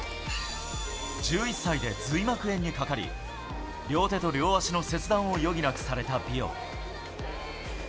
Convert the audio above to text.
１１歳で髄膜炎にかかり、両手と両足の切断を余儀なくされたビオ。